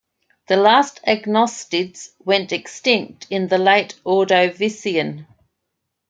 The last agnostids went extinct in the Late Ordovician.